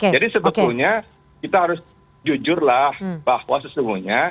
jadi sebetulnya kita harus jujurlah bahwa sesungguhnya